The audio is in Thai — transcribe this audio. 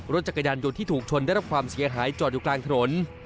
รถจักรยานยนต์ที่ถูกชนได้รับความเสียหายจอดอยู่กลางถนน